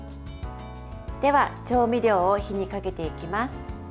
では、調味料を火にかけていきます。